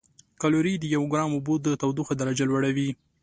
کالوري د یو ګرام اوبو د تودوخې درجه لوړوي.